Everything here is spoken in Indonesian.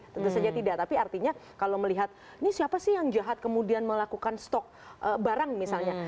tentu saja tidak tapi artinya kalau melihat ini siapa sih yang jahat kemudian melakukan stok barang misalnya